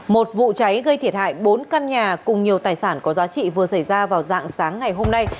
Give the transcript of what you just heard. một vụ cháy gây thiệt hại bốn căn nhà cùng nhiều tài sản có giá trị vừa xảy ra vào dạng sáng ngày hôm nay